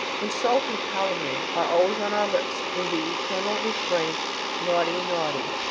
Insult and calumny are always on our lips in the eternal refrain: "Naughty, naughty."